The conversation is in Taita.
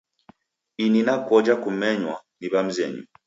Ini nakoja kumenywa ni w'amzenyu